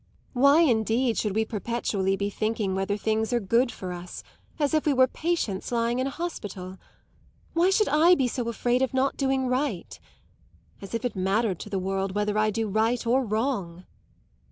Why indeed should we perpetually be thinking whether things are good for us, as if we were patients lying in a hospital? Why should I be so afraid of not doing right? As if it mattered to the world whether I do right or wrong!"